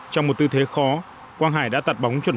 trong một tư thế khó quang hải đã tặt bóng chuẩn xác